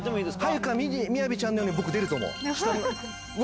羽床雅ちゃんのように僕出ると思う。